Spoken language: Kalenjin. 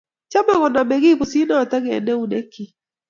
Chamei koname kiy pusit notok eng' keunek chik